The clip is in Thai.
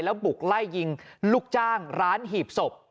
บุกไล่ยิงลูกจ้างร้านหีบศพ